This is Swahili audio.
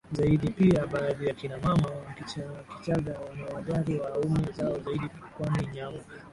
zaidiPia baadhi ya kina mama wa Kichaga wanawajali waume zao zaidi kwani nyama